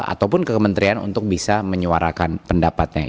ataupun ke kementerian untuk bisa menyuarakan pendapatnya